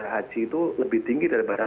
haji itu lebih tinggi daripada